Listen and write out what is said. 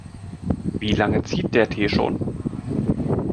Wie lange zieht der Tee schon?